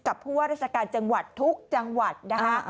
ผู้ว่าราชการจังหวัดทุกจังหวัดนะคะ